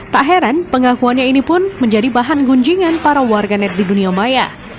tak heran pengakuannya ini pun menjadi bahan gunjingan para warganet di dunia maya